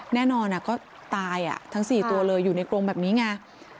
แน่นอนก็ตายทั้ง๔ตัวเลยอยู่ในกรงแบบนี้ไง